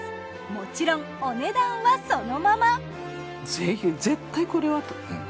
もちろんお値段はそのまま。